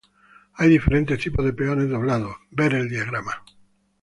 Hay diferentes tipos de peones doblados, ver el diagrama.